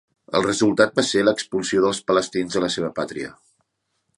El resultat va ser l'expulsió dels palestins de la seva pàtria.